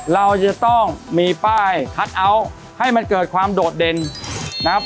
เราจะต้องมีป้ายคัทเอาท์ให้มันเกิดความโดดเด่นนะครับ